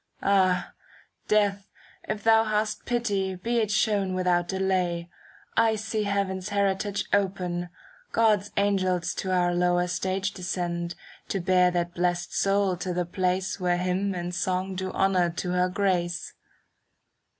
Ah! Death, if thou hast pity, be it shown ^* Without delay. I see Heaven's heritage Open; God's angels to our lower stage Descend, to bear that blest soul to the place Where hymn and song do honour to her grace.